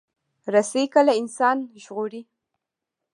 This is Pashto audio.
رسۍ کله انسان ژغوري.